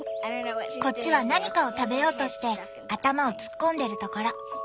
こっちは何かを食べようとして頭を突っ込んでるところ。